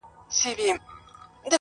کږدۍ پر خپلو مراندو ولاړه ده.